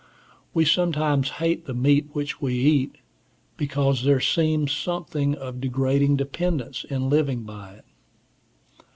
We sometimes hate the meat which we eat, because there seems something of degrading dependence in living by it.